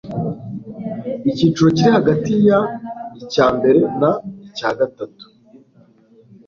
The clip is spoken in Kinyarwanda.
icyiciro kiri hagati ya icyambere na icyagatatu